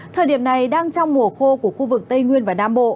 thời điểm này đang trong mùa khô của khu vực tây nguyên và nam bộ